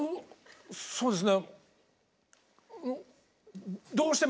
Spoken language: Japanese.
そうですね